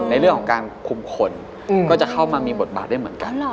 ในเรื่องของการคุมคนก็จะเข้ามามีบทบาทได้เหมือนกัน